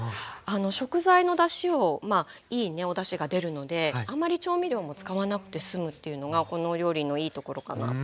食材のだしをまあいいねおだしが出るのであんまり調味料も使わなくて済むっていうのがこのお料理のいいところかなと。